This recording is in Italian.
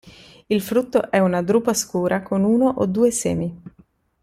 Il frutto è una drupa scura con uno o due semi.